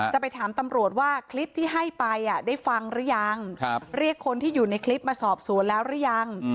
จะไปถามตำรวจว่าคลิปที่ให้ไปได้ฟังหรือยังเรียกคนที่อยู่ในคลิปมาสอบสวนแล้วหรือยัง